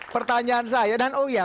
pertanyaan saya dan oh iya